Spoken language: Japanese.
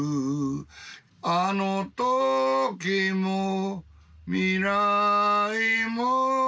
「あの過去も未来も」